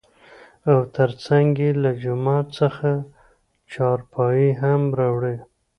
او تر څنګ يې له جومات څخه چارپايي هم راوړى .